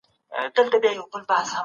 خلک هلته کتابونه لوستل.